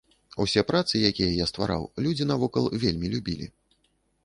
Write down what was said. Усе працы, якія я ствараў, людзі навокал вельмі любілі.